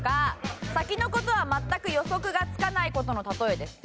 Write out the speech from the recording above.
先の事は全く予測がつかない事のたとえです。